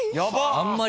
あんまり。